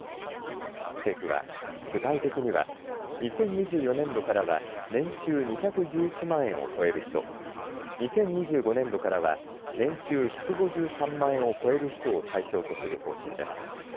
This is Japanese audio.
政府は具体的には２０２４年度からは年収２１１万円を超える人、２０２５年度からは年収１５３万円を超える人を対象とする方針です。